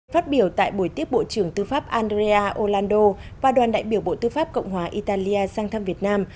phát biểu tại buổi tiếp bộ trưởng tư pháp andrei olanddo và đoàn đại biểu bộ tư pháp cộng hòa italia sang thăm việt nam